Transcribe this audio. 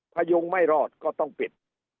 พยุงไม่รอดก็ต้องปิด